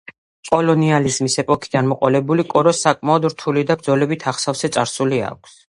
კოლონიალიზმის ეპოქიდან მოყოლებული, კოროს საკმაოდ რთული და ბრძოლებით აღსავსე წარსული აქვს.